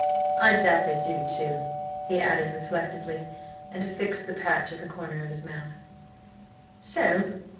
I doubt they do, too," he added reflectively, and affixed the patch at the corner of his mouth. "So?